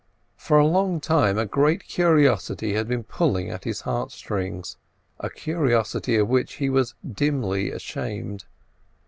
For a long time a great curiosity had been pulling at his heart strings: a curiosity of which he was dimly ashamed.